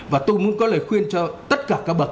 và tôi muốn có lời khuyên cho tất cả các bậc